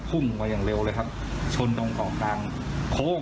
พุ่งมาอย่างเร็วเลยครับชนตรงเกาะกลางโค้ง